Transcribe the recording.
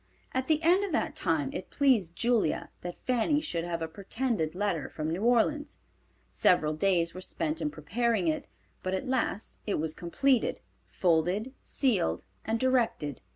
At the end of that time it pleased Julia that Fanny should have a pretended letter from New Orleans. Several days were spent in preparing it, but at last it was completed, folded, sealed and directed. Mr.